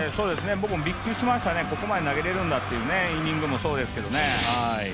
僕もびっくりしましたね、ここまで投げれるんだっていう、イニングもそうですけどね。